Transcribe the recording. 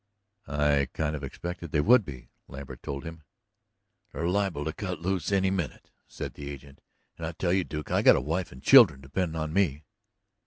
"I kind of expected they would be," Lambert told him. "They're liable to cut loose any minute," said the agent, "and I tell you, Duke, I've got a wife and children dependin' on me!"